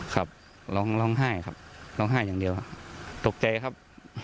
ครับร้องร้องไห้ครับร้องไห้อย่างเดียวตกใจครับ